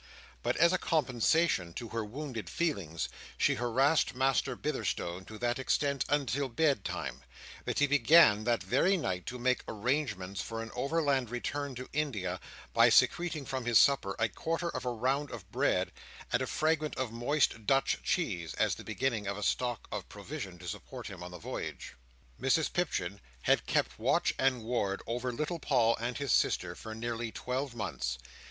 But as a compensation to her wounded feelings, she harassed Master Bitherstone to that extent until bed time, that he began that very night to make arrangements for an overland return to India, by secreting from his supper a quarter of a round of bread and a fragment of moist Dutch cheese, as the beginning of a stock of provision to support him on the voyage. Mrs Pipchin had kept watch and ward over little Paul and his sister for nearly twelve months.